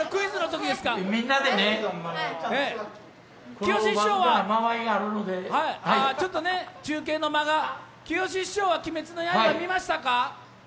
きよし師匠はちょっと中継の間がきよし師匠は「鬼滅の刃」見ましたか？